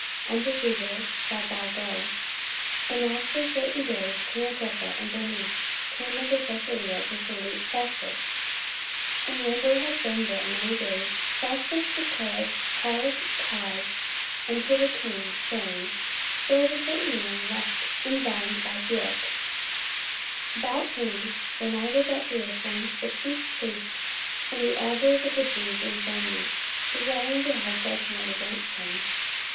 unto Caesar shalt thou go. 44:025:013 And after certain days king Agrippa and Bernice came unto Caesarea to salute Festus. 44:025:014 And when they had been there many days, Festus declared Paul's cause unto the king, saying, There is a certain man left in bonds by Felix: 44:025:015 About whom, when I was at Jerusalem, the chief priests and the elders of the Jews informed me, desiring to have judgment against him.